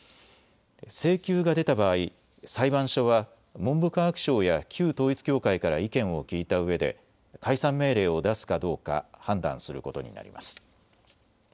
請求が出た場合、裁判所は文部科学省や旧統一教会から意見を聞いたうえで解散命令を出すかどうか判断することになります。